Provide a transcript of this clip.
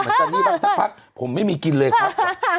จันนี่บางสักพักผมไม่มีกินเลยครับ